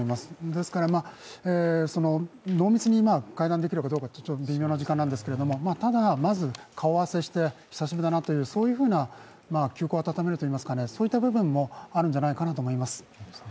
ですから、濃密に会談できるかというところですがただまず、顔合わせして久しぶりだなという、そういうふうな旧交を温めるといいますか、そういった部分もあるんじゃないかと思います。